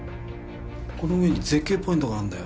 この上に絶景ポイントがあんだよ。